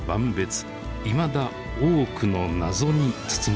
いまだ多くの謎に包まれています。